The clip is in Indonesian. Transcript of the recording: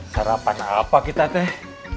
sarapan apa kita teh